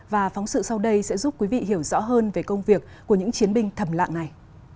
và phóng sự sau đây sẽ giúp quý vị hiểu rõ hơn về công việc của những chiến binh thầm lạng này